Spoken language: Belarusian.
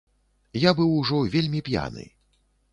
Я быў ужо вельмі п'яны.